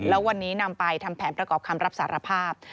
แล้ววันนี้นำไปทำแผนประกอบคำรับสารภาพ